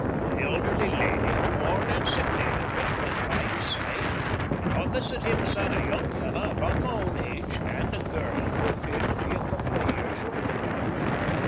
An elderly lady, worn and sickly looking, was by his side, and opposite him sat a young fellow about my own age and a girl who appeared to be a couple of years younger.